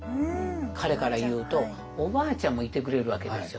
彼からいうとおばあちゃんもいてくれるわけですよ。